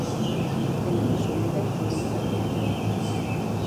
La tenen assumida i teoritzada.